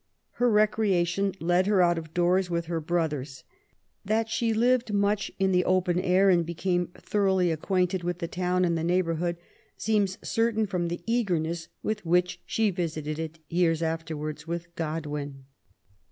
Her recreation led her oat of doors with her brothers. That she lived much in the open air and became thorooghly acquainted with the town and the neigh bourhood, seems certain firom the eagerness with which she visited it years afterwards with Godwin.